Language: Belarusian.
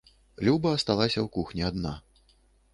Люба асталася ў кухні адна.